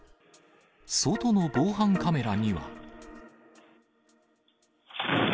外の防犯カメラには。